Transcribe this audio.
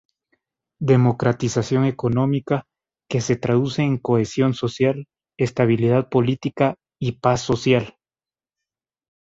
Democratización económica, que se traduce en cohesión social, estabilidad política y paz social.